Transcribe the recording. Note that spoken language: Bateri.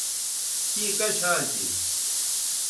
تیں کش حال تھی